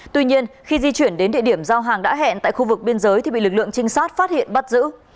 tuy nhiên khi di chuyển đến địa điểm giao hàng đã hẹn tại khu vực biên giới thì bị lực lượng trinh sát phát hiện bắt giữ